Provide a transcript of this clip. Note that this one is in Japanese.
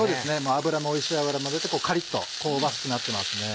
脂もおいしい脂も出てカリっと香ばしくなってますね。